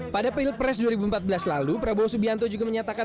pada pilpres dua ribu empat belas lalu prabowo subianto juga menyatakan